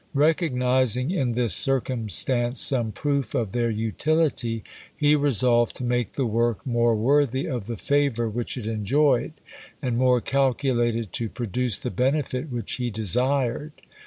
Recognising in this circumstance some proof of their utility, he resolved to make the work more worthy of the favour which it enjoyed, and more calculated to produce the benefit which he desired.